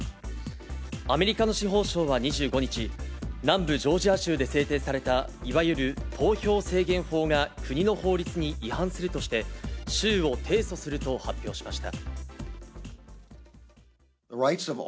アメリカの司法省は２５日、南部ジョージア州で制定されたいわゆる投票制限法が国の法律に違反するとして、州を提訴すると発表しました。